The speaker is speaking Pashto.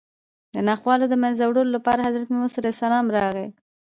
د ناخوالو د منځه وړلو لپاره حضرت محمد صلی الله علیه وسلم راغی